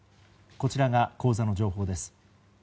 こちらが口座の情報です。